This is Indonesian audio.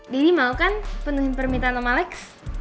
daddy mau kan penuhi permintaan om alex